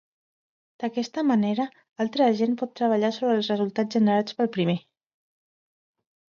D'aquesta manera, altre agent pot treballar sobre els resultats generats pel primer.